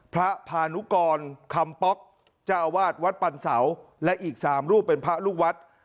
พานุกรคำป๊อกเจ้าอาวาสวัดปันเสาและอีก๓รูปเป็นพระลูกวัด